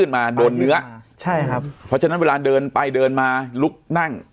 มันจะมาลุกนั่ง